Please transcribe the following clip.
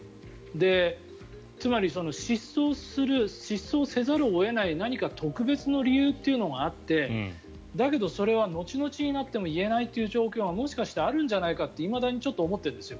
つまり、失踪せざるを得ない何か特別な理由があってだけど、それは後々になっても言えない状況がもしかしてあるんじゃないかっていまだにちょっと思ってるんですよ